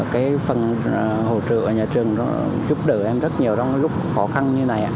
cái phần hỗ trợ ở nhà trường giúp đỡ em rất nhiều trong lúc khó khăn như này